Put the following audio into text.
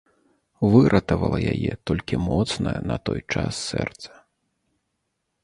Выратавала яе толькі моцнае на той час сэрца.